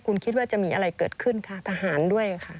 คุณคิดว่าจะมีอะไรเกิดขึ้นค่ะทหารด้วยค่ะ